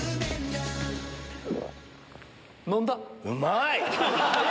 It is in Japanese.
うまい！